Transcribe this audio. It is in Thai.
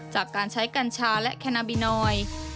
จากการใช้กัญชาและแคนาบินอย